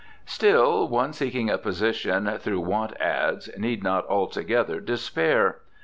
Still, one seeking a position through want "ads" need not altogether despair.